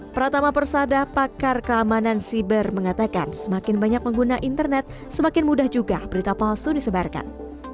pratama persada pakar keamanan siber mengatakan semakin banyak pengguna internet semakin mudah juga berita palsu disebarkan